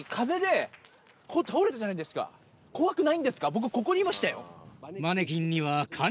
僕ここにいましたよ。